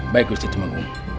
baik istri cemenggung